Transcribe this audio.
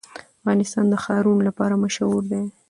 افغانستان د ښارونه لپاره مشهور دی.